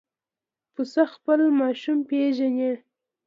پسه خپل ماشوم پېژني.